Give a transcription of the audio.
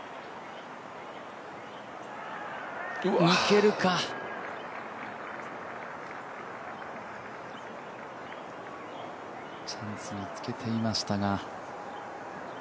抜けるかチャンスにつけていましたが。